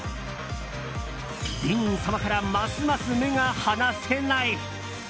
ディーン様からますます目が離せない！